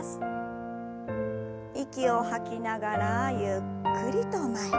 息を吐きながらゆっくりと前。